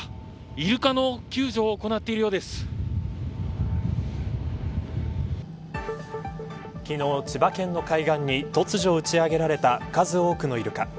イルカの救助を行っているようで昨日、千葉県の海岸に突如打ち上げられた数多くのイルカ。